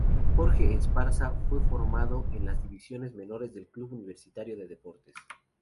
Jorge Esparza fue formado en las divisiones menores del Club Universitario de Deportes.